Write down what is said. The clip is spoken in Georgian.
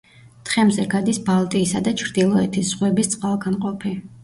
თხემზე გადის ბალტიისა და ჩრდილოეთის ზღვების წყალგამყოფი.